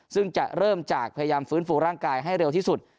ซึ่งจะเริ่มจากพยายามฟื้นฟูร่างกายให้เร็วที่สุด